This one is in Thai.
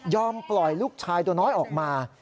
ปล่อยลูกชายตัวน้อยออกมา